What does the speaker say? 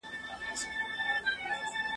ما هابيل دئ په قابيل باندي وژلى !.